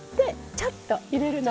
ちょっと入れるのが。